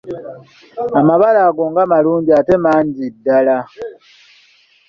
Amabala ago nga malungi ate mangi ddala!